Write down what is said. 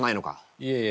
いえいえ。